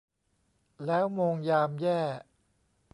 แล้วโมงยามแย่